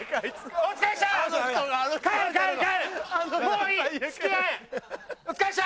お疲れっした！